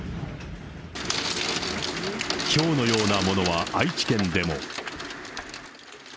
ひょうのようなものは愛知県でも。